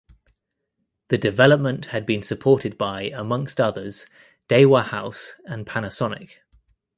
The development had been supported by amongst others Daiwa House and Panasonic.